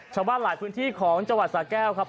ชาวบ้านหลายพื้นที่ของจังหวัดสาแก้วครับ